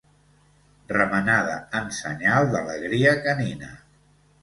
Remenada en senyal d'alegria canina.